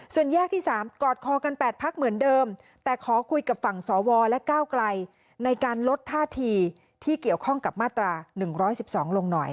ส่วนแยกที่๓กอดคอกัน๘พักเหมือนเดิมแต่ขอคุยกับฝั่งสวและก้าวไกลในการลดท่าทีที่เกี่ยวข้องกับมาตรา๑๑๒ลงหน่อย